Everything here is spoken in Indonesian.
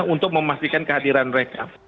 untuk memastikan kehadiran mereka